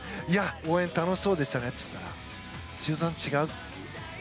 応援楽しそうでしたねって言ったら修造さん、違うって。